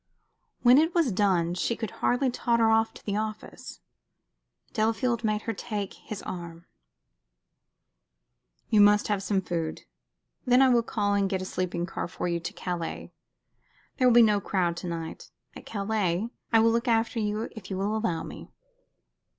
When it was done she could hardly totter out of the office. Delafield made her take his arm. "You must have some food. Then I will go and get a sleeping car for you to Calais. There will be no crowd to night. At Calais I will look after you if you will allow me."